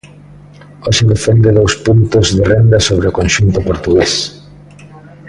Hoxe defende dous puntos de renda sobre o conxunto portugués.